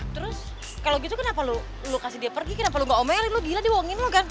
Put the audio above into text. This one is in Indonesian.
terus kalau gitu kenapa lo kasih dia pergi kenapa lo gak omel lo gila diwongin lo kan